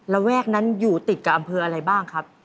ระแวกนั้นอยู่ติดกับอำเภออะไรบ้างครับ